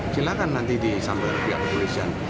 silakan nanti disambilkan oleh polisian